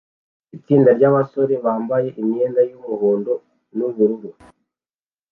Itsinda ryabasore bambaye imyenda yumuhondo nubururu